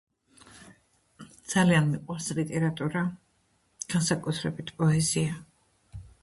ძალიან მიყვარს ლიტერატურა, განსაკუთრებით პოეზია.